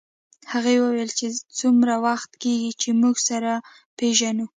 هغې وویل چې څومره وخت کېږي چې موږ سره پېژنو